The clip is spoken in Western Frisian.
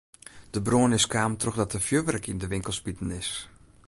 De brân is kaam trochdat der fjurwurk yn de winkel smiten is.